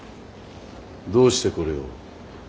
どうしてこれを？